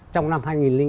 trong năm hai nghìn tám